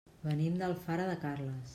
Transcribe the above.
Venim d'Alfara de Carles.